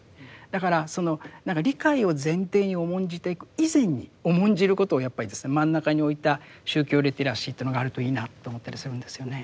だから何か理解を前提に重んじていく以前に重んじることをやっぱりですね真ん中に置いた宗教リテラシーというのがあるといいなと思ったりするんですよね。